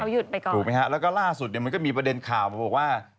หยุดไปก่อนถูกไหมฮะแล้วก็ล่าสุดเนี่ยมันก็มีประเด็นข่าวมาบอกว่า